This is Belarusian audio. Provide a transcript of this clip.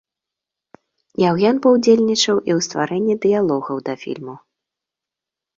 Яўген паўдзельнічаў і ў стварэнні дыялогаў да фільму.